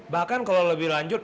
bahkan kalau lebih lanjut